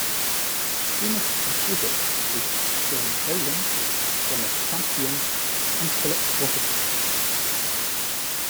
Famous composers included John Dowland, Thomas Campion and Philip Rosseter.